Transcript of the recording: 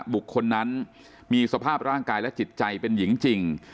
บุคคลนั้นมีสภาพร่างกายและจิตใจเป็นหญิงจริง